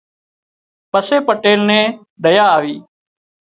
پسي پٽيل نين ۮيا آوي